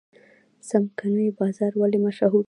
څمکنیو بازار ولې مشهور دی؟